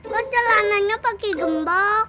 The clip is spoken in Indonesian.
lo celananya pake gembok